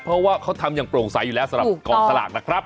เพราะว่าเขาทำอย่างโปร่งใสอยู่แล้วสำหรับกองสลากนะครับ